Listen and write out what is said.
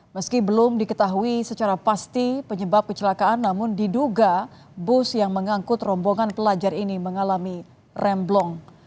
meski belum diketahui secara pasti penyebab kecelakaan namun diduga bus yang mengangkut rombongan pelajar ini mengalami remblong